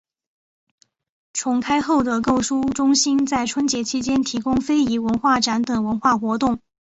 重开后的购书中心在春节期间提供非遗文化展等文化活动。